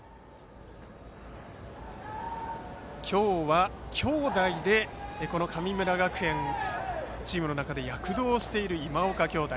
今日は兄弟で、神村学園チームの中で躍動している今岡兄弟。